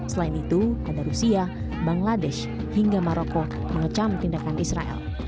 selain itu ada rusia bangladesh hingga marokko mengecam tindakan israel